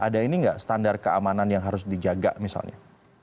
ada ini nggak standar keamanan yang harus dijaga misalnya